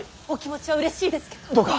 お気持ちはうれしいですけど。